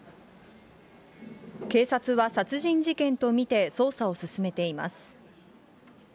警察は殺人事件と見て捜査を進めています。